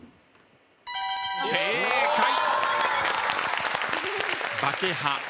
正解。